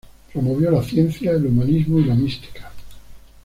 Promovió la ciencia, el humanismo y la mística.